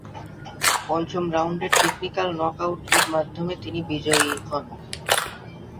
পঞ্চম রাউন্ডের technical knockout এর মাধ্যমে তিনি বিজয়ী হন।